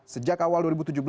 sejak awal dua ribu tujuh belas